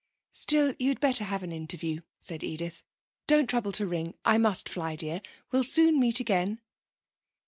'Still, you'd better have an interview,' said Edith. 'Don't trouble to ring. I must fly, dear. We'll soon meet again.'